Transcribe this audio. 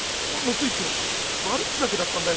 酔狂悪ふざけだったんだよ！